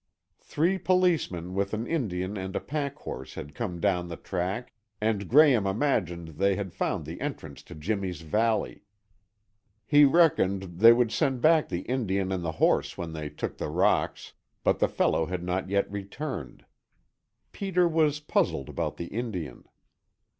Three policemen with an Indian and a pack horse had come down the track and Graham imagined they had found the entrance to Jimmy's valley. He reckoned they would send back the Indian and the horse when they took the rocks, but the fellow had not yet returned. Peter was puzzled about the Indian.